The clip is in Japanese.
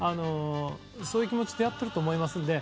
そういう気持ちでやってると思いますので。